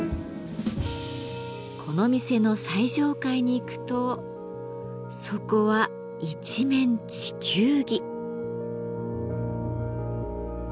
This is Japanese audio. この店の最上階に行くとそこは一面地球儀。